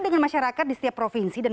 dengan masyarakat di setiap provinsi dan